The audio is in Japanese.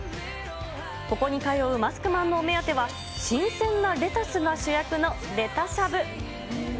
ここに通うマスクマンのお目当ては、新鮮なレタスが主役のレタしゃぶ。